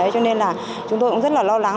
cho nên là chúng tôi cũng rất là lo lắng